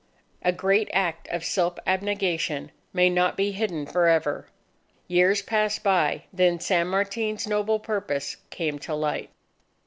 A great act of self abnegation may not be hidden forever. Years passed by, then San Martin's noble purpose came to light.